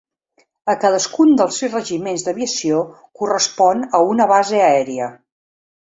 A cadascun dels sis regiments d'aviació correspon a una base aèria.